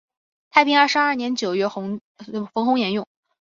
太平二十二年九月冯弘沿用。